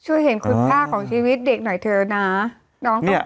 ช่วยเห็นคุณค่าของชีวิตเด็กหน่อยเถอะนะ